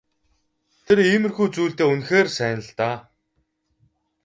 Тэр иймэрхүү зүйлдээ үнэхээр сайн л даа.